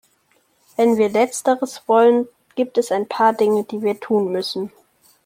Wenn wir Letzteres wollen, gibt es ein paar Dinge, die wir tun müssen.